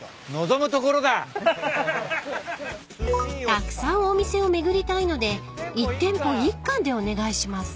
［たくさんお店を巡りたいので１店舗１貫でお願いします］